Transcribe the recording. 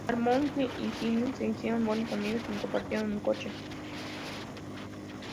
Armstrong y Hines se hicieron buenos amigos y compartieron un coche.